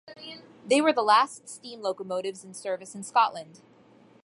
They were the last steam locomotives in service in Scotland.